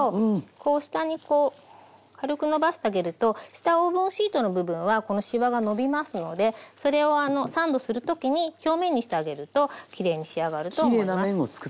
こう下にこう軽くのばしてあげると下オーブンシートの部分はこのしわがのびますのでそれをサンドする時に表面にしてあげるときれいに仕上がると思います。